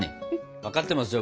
分かってますよ